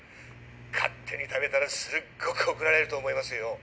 勝手に食べたらすっごく怒られると思いますよ。